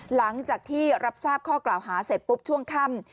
หลังจากที่รับทราบข้อกล่าวหาเสร็จปุ๊บช่วงค่ำ